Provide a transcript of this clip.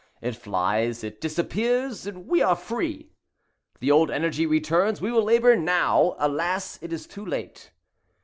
It flies—it disappears—we are free. The old energy returns. We will labor now. Alas, it is too late!